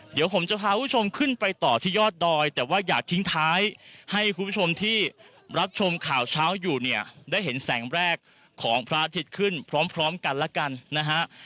เดี๋ยวผมจะพาคุณผู้ชมขึ้นไปต่อที่ยอดดอยแต่ว่าอยากทิ้งท้ายให้คุณผู้ชมที่รับชมข่าวเช้าอยู่เนี่ยได้เห็นแสงแรกของพระอาทิตย์ขึ้นพร้อมกันแล้วกันนะฮะ